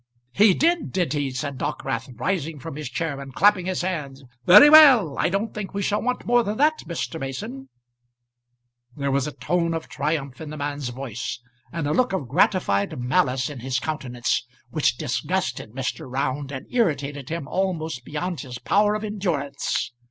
"He did, did he?" said Dockwrath, rising from his chair and clapping his hands. "Very well. I don't think we shall want more than that, Mr. Mason." There was a tone of triumph in the man's voice, and a look of gratified malice in his countenance which disgusted Mr. Round and irritated him almost beyond his power of endurance.